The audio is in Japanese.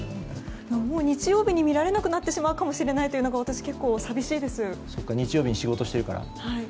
もう日曜日に見られなくなってしまうかもしれないというそうか、日曜日に仕事してるから。